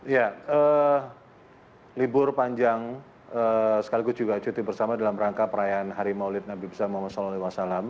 ya libur panjang sekaligus juga cuti bersama dalam rangka perayaan hari maulid nabi muhammad saw